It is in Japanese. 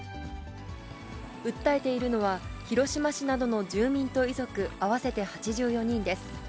訴えているのは、広島市などの住民と遺族、合わせて８４人です。